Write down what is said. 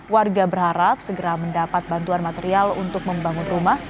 warga berharap segera mendapat bantuan material untuk membangun rumah